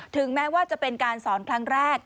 ถึงแม้ว่าจะเป็นการสอนครั้งแรก